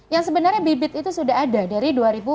yang sebenarnya bibit itu sudah ada dari dua ribu